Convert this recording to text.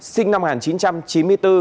sinh năm một nghìn chín trăm chín mươi bốn